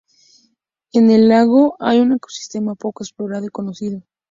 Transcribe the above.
En el lago hay un ecosistema poco explorado y conocido.